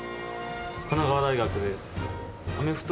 神奈川大学です。